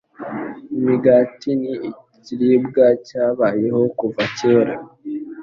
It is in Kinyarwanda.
imigati ni ikiribwa cyabayeho kuva kera